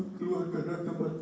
bagi mengeluarkan atapan teriak